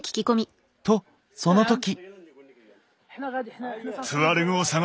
とその時！